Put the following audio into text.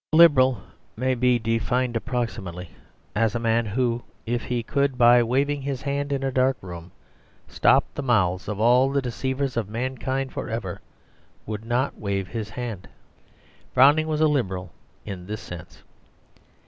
A Liberal may be defined approximately as a man who, if he could by waving his hand in a dark room, stop the mouths of all the deceivers of mankind for ever, would not wave his hand. Browning was a Liberal in this sense.